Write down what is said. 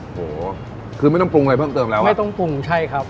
โหคือไม่ต้องปรุงอะไรเพิ่มเติมแล้วไม่ต้องปรุงใช่ครับ